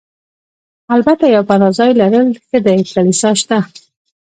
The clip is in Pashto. البته یو پناه ځای لرل ښه دي، کلیسا شته.